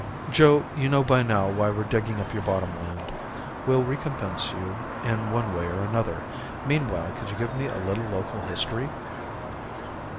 "Joe, you know by now why we're digging up your bottom land. We'll recompense you in one way or another. Meanwhile, could you give me a little local history?"